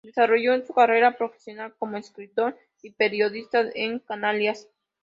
Desarrolló su carrera profesional como escritor y periodista en Canarias.